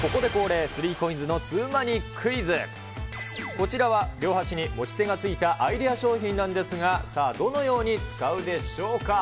こちらは両端に持ち手がついたアイデア商品なんですが、さあ、どのように使うでしょうか。